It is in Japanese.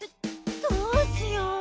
どうしよう。